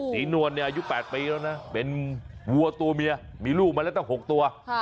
นวลเนี่ยอายุ๘ปีแล้วนะเป็นวัวตัวเมียมีลูกมาแล้วตั้ง๖ตัว